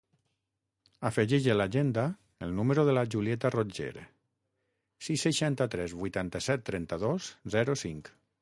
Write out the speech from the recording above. Afegeix a l'agenda el número de la Julieta Rotger: sis, seixanta-tres, vuitanta-set, trenta-dos, zero, cinc.